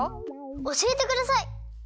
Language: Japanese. おしえてください。